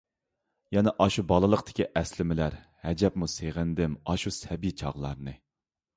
يەنە ئاشۇ بالىلىقتىكى ئەسلىمىلەر، ھەجەپمۇ سېغىندىم ئاشۇ سەبىي چاغلارنى...